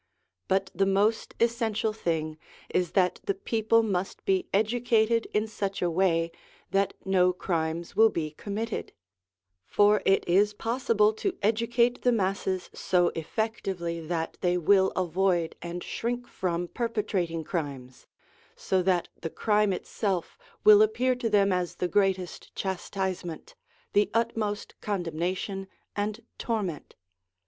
But the most essential thing is that the people must be educated in 807 308 SOME ANSWERED QUESTIONS such a way that no crimes will be committed; for it is possible to educate the masses so effectively that they will avoid and shrink from perpetrating crimes, so that the crime itself will appear to them as the greatest chastisement, the utmost condemnation and torment.